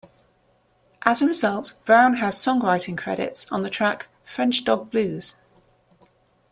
As a result, Brown has songwriting credits on the track "French Dog Blues".